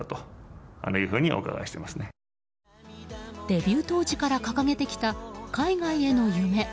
デビュー当時から掲げてきた海外への夢。